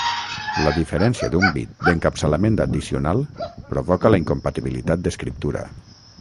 La diferència d'un bit d'encapçalament addicional provoca la incompatibilitat d'escriptura.